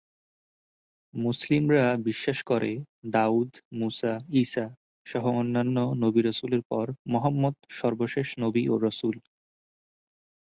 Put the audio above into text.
মুসলিমরা বিশ্বাস করে "দাউদ", "মুসা", "ইসা" সহ অন্যান্য নবি-রাসুলের পর মুহাম্মদ সর্বশেষ নবী ও রাসুল।